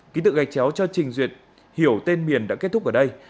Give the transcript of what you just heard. ký tự gạch chéo cho trình duyệt hiểu tên miền đã kết thúc ở đây